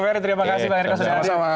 terima kasih banyak